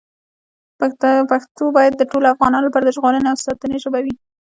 پښتو باید د ټولو افغانانو لپاره د ژغورنې او ساتنې ژبه وي.